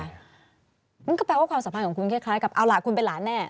มันก็แปลว่าความสามารถของคุณแค่คล้ายกับเอาหลากคุณเป็นหลานแน่